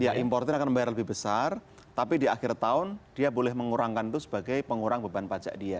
ya importer akan membayar lebih besar tapi di akhir tahun dia boleh mengurangkan itu sebagai pengurang beban pajak dia